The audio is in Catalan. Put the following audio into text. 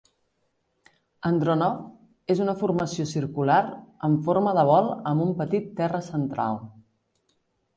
Andronov és una formació circular amb forma de bol amb un petit terra central.